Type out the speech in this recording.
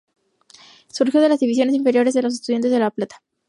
Surgió de las divisiones inferiores de Estudiantes de La Plata.